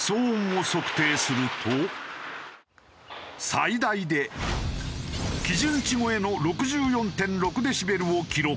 最大で基準値超えの６４．６デシベルを記録。